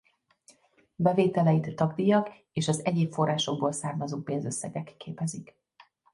Bevételeit tagdíjak és az egyéb forrásokból származó pénzösszegek képezik.